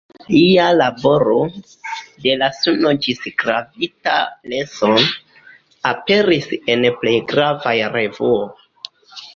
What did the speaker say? Lia laboro, de la Suno ĝis gravita lenso, aperis en plej gravaj revuo.